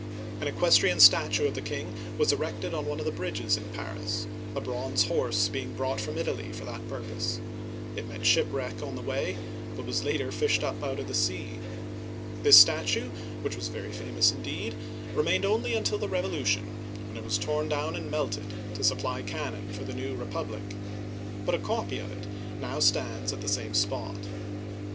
An equestrian statue of the king was erected on one of the bridges in Paris, a bronze horse being brought from Italy for that purpose ; it met shipwreck on the way, but was later fished up out of the sea. This statue, which was Statue of Henry IV., in Paris. Digitized by VjOOQIC 298 OLD FRANCE very famous indeed, remained only until the Revolution, when it was torn down and melted, to supply cannon for the new republic ; but a copy of it now stands at the same spot.